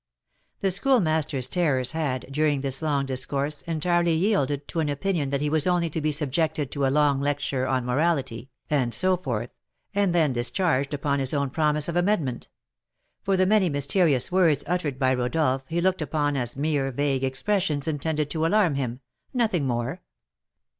The Schoolmaster's terrors had, during this long discourse, entirely yielded to an opinion that he was only to be subjected to a long lecture on morality, and so forth, and then discharged upon his own promise of amendment; for the many mysterious words uttered by Rodolph he looked upon as mere vague expressions intended to alarm him, nothing more.